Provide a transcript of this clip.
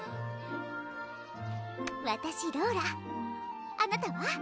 わたしローラあなたは？